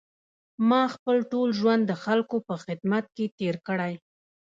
ما خپل ټول ژوند د خلکو په خدمت کې تېر کړی.